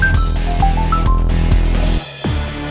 sampai kapanpun gue akan pernah jauhin putri